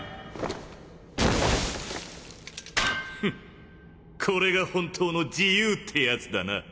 フンこれが本当の自由ってやつだな。